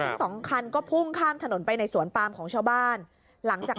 ทั้งสองคันก็พุ่งข้ามถนนไปในสวนปามของชาวบ้านหลังจาก